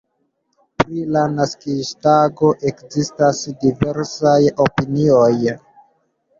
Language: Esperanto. Pri la naskiĝtago ekzistas diversaj opinioj.